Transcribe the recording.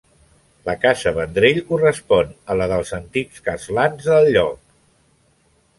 La casa Vendrell correspon a la dels antics castlans del lloc.